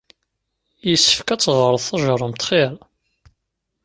Yessefk ad teɣreḍ tajeṛṛumt xir.